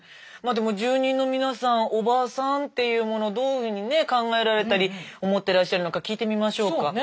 まあでも住人の皆さん「おばさん」っていうものをどういうふうにね考えられたり思ってらっしゃるのか聞いてみましょうか。